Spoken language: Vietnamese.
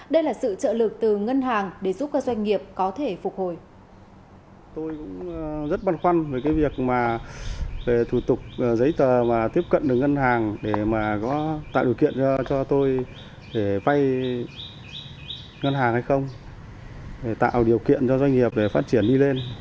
đây là sự trợ lực từ ngân hàng để giúp các doanh nghiệp có thể phục hồi